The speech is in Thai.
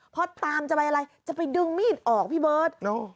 พอตามจะไปอะไรจะไปดึงมีดออกพี่เบิร์ต